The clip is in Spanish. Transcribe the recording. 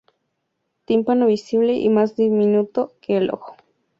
Tímpano visible y más diminuto que el ojo.